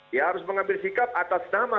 dia harus mengambil sikap atas nama